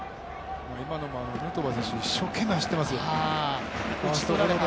今のもヌートーバー選手、一生懸命走ってますよね。